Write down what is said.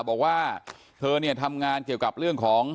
บอกว่าเธอเนี่ยทำงานเกี่ยวกับเรื่องของ